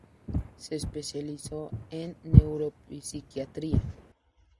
Se especializó en neuropsiquiatría.